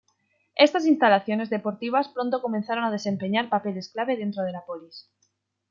Estas instalaciones deportivas pronto comenzaron a desempeñar papeles clave dentro de la "polis".